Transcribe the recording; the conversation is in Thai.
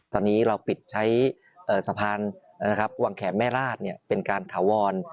ตอนนี้เราปิดใช้สะพานวังแขนแม่ราชเป็นการถาวร